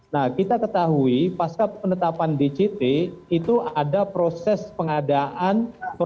nah kita ketahui pasca penetapan dct itu ada proses pengadaan